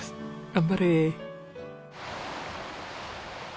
頑張れ。